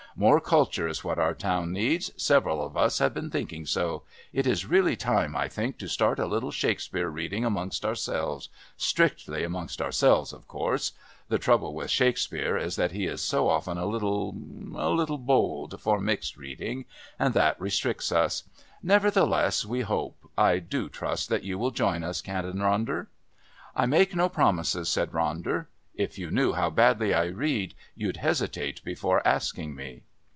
"More culture is what our town needs several of us have been thinking so. It is really time, I think, to start a little Shakespeare reading amongst ourselves strictly amongst ourselves, of course. The trouble with Shakespeare is that he is so often a little a little bold, for mixed reading and that restricts us. Nevertheless, we hope...I do trust that you will join us, Canon Ronder." "I make no promises," said Ronder. "If you knew how badly I read, you'd hesitate before asking me."